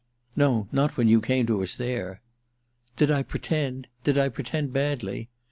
"No, not when you came to us there." "Did I pretend? did I pretend badly?"